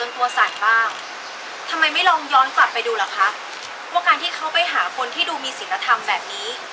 ต้องกลับไปดูหรอคะว่าการที่เขาไปหาคนที่ดูมีศิลธรรมแบบนี้